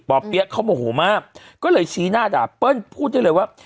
เปี๊ยะเขาโมโหมากก็เลยชี้หน้าด่าเปิ้ลพูดได้เลยว่า